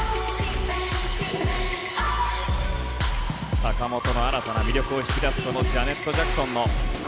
坂本の新たな魅力を引き出すジャネット・ジャクソンの声。